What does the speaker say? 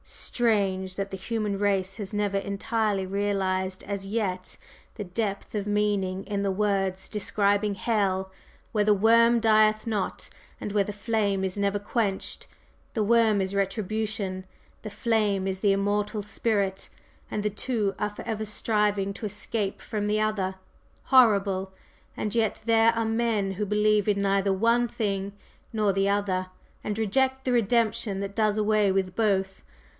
Strange that the human race has never entirely realized as yet the depth of meaning in the words describing hell: 'Where the worm dieth not, and where the flame is never quenched.' The 'worm' is Retribution, the 'flame' is the immortal Spirit, and the two are forever striving to escape from the other. Horrible! And yet there are men who believe in neither one thing nor the other, and reject the Redemption that does away with both!